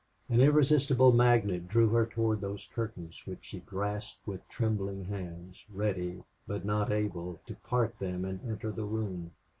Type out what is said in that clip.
An irresistible magnet drew her toward those curtains, which she grasped with trembling hands, ready, but not able, to part them and enter the room.